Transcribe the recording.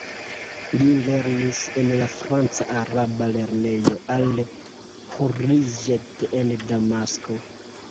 Li lernis en la franca-araba lernejo al-Hurrijet en Damasko.